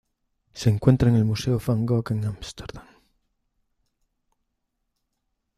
Se encuentra en el Museo Van Gogh de Ámsterdam.